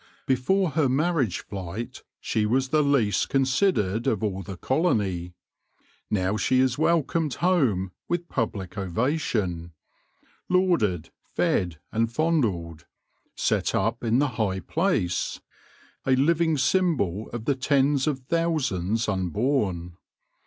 Before her marriage flight she was the least considered of all the colony ; now she is welcomed home with public ovation ; lauded, fed, and fondled ; set up in the high place, a living symbol of the tens of thousands unborn.